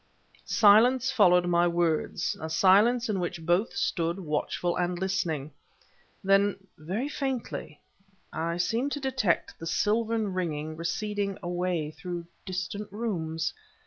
Silence followed my words, a silence in which both stood watchful and listening. Then, very faintly, I seemed to detect the silvern ringing receding away through distant rooms.